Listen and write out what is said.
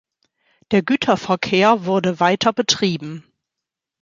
Der Güterverkehr wurde weiter betrieben.